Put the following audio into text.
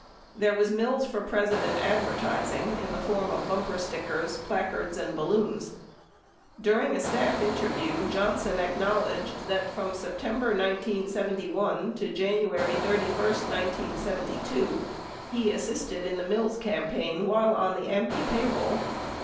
There was Mills for President advertising in the form of bumper stickers, plac ards, and balloons. 34 During a staff interview, Johnson acknowledged that from September, 1971 to January 31, 1972, he assisted in the Mills campaign while on the AMPI payroll.